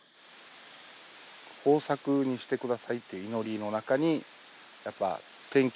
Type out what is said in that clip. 豊作にしてくださいという祈りの中にやっぱ天気